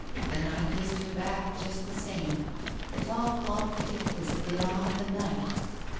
Then I kissed her back just the same. The tall clock ticked as it did on The Night